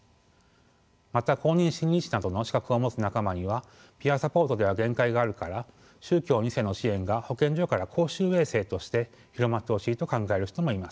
また公認心理士などの資格を持つ仲間にはピアサポートでは限界があるから宗教２世の支援が保健所から公衆衛生として広まってほしいと考える人もいます。